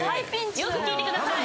よく聞いてください。